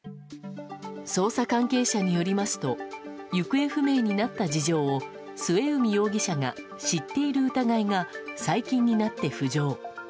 捜査関係者によりますと行方不明になった事情を末海容疑者が知っている疑いが最近になって浮上。